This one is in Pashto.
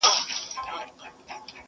فکرونه ورو ورو پراخېږي ډېر.